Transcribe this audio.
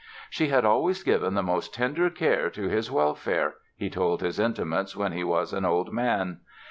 "She had always given the most tender care to his welfare", he told his intimates when he was an old man.